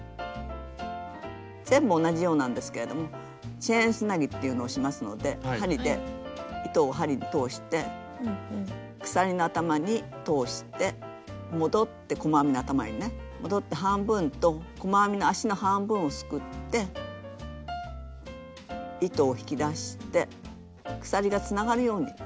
全部同じようなんですけれども「チェーンつなぎ」っていうのをしますので針で糸を針に通して鎖の頭に通して戻って細編みの頭にね戻って半分と細編みの足の半分をすくって糸を引き出して鎖がつながるように仕上げます。